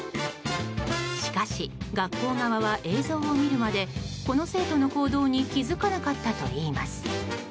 しかし、学校側は映像を見るまでこの生徒の行動に気づかなかったといいます。